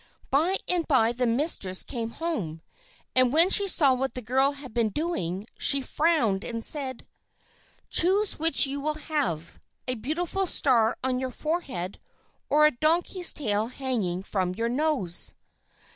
By and by the mistress came home, and when she saw what the girl had been doing she frowned and said: "Choose which you will have, a beautiful star on your forehead or a donkey's tail hanging from your nose."